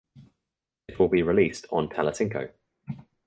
It will be released on Telecinco.